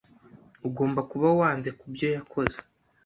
Ugomba kuba wanze kubyo yakoze.